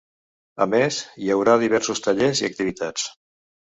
A més, hi haurà diversos tallers i activitats.